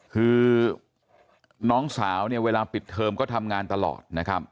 คือน้องสาวเนี่ยเวลาปิดเทอมก็ทำงานตลอดนะครับ